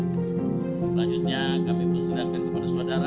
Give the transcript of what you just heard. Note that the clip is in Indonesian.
selanjutnya kami persilahkan kepada saudara